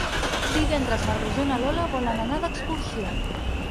Divendres na Rosó i na Lola volen anar d'excursió.